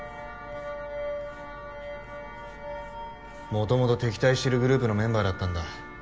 元々敵対してるグループのメンバーだったんだ。